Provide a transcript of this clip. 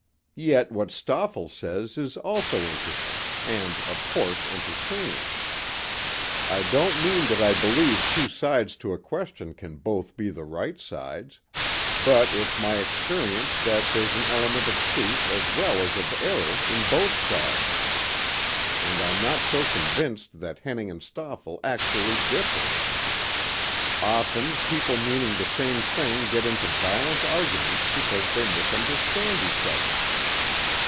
Yet what Stoefel says is also interesting and, of course, entertaining. I don't mean that I believe two sides to a question can both be the right sides. But it's my experience that there's an element of truth as well as of error in both sides. And I'm not so convinced that Henning and Stoefel actually differ. Often people meaning the same thing get into violent arguments because they misunderstand each other."